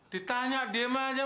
ditanya dema aja